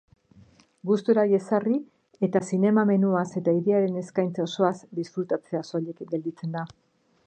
Gustura jesarri eta zinema menuaz eta hiriaren eskaintza osoaz disfrutatzea soilik gelditzen da.